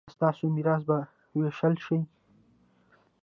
ایا ستاسو میراث به ویشل شي؟